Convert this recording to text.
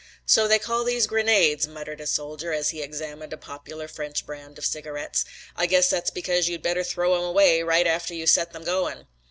"So they call these Grenades," muttered a soldier as he examined a popular French brand of cigarettes, "I guess that's because you'd better throw 'em away right after you set 'em going."